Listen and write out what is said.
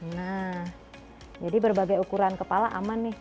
nah jadi berbagai ukuran kepala aman nih